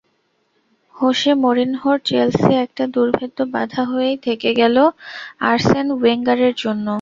Jose মরিনহোর Chelsea একটা দুর্ভেদ্য বাধা হয়েই থেকে গেল আর্সেন ওয়েঙ্গারের জন্য।